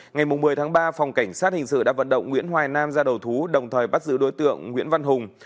ngày một mươi tháng ba phòng cảnh sát hình sự đã vận động nguyễn hoài nam ra đầu thú đồng thời bắt giữ đối tượng nguyễn văn hùng